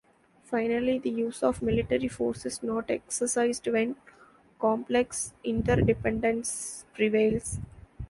Finally, the use of military force is not exercised when complex interdependence prevails.